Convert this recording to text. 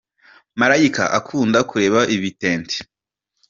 marayika akunda kureba ibitetnte